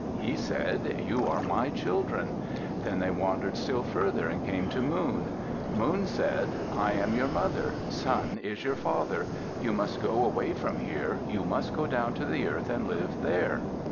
He said, "You are my children." Then they wandered still further and came to Moon. Moon said, "I am your mother; Sun is your father. You must go away from here. You must go down to the earth and live there."